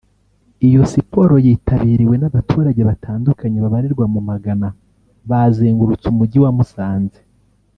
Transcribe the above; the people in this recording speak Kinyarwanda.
Iyo siporo yitabiriwe n’abaturage bandukanye babarirwa mu magana bazengurutse umujyi wa musanze